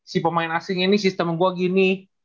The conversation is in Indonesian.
si pemain asing ini sistem gue gini